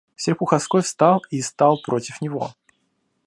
Серпуховской встал и стал против него.